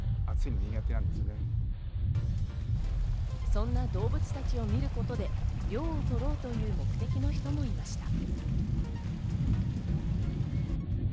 そんな動物たちを見ることで、涼を取ろうという目的の人もいました。